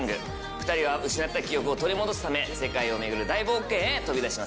２人は失った記憶を取り戻すため世界を巡る大冒険へ飛び出します。